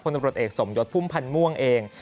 ตำรวจเอกสมยศพุ่มพันธ์ม่วงเอง